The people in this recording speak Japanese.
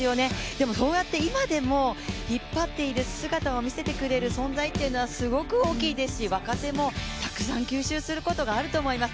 でもそうやって今でも引っ張っている姿を見せてくれる存在というのはすごく大きいですし若手もたくさん吸収することがあると思います。